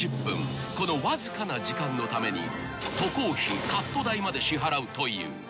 ［このわずかな時間のために渡航費カット代まで支払うという］